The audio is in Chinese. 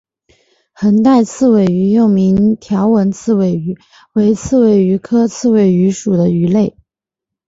横带刺尾鱼又名条纹刺尾鱼为刺尾鱼科刺尾鱼属的鱼类。